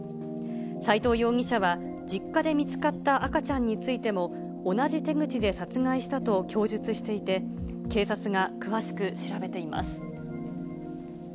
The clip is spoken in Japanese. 斎藤容疑者は、実家で見つかった赤ちゃんについても、同じ手口で殺害したと供述していて、警察が詳しく調べています。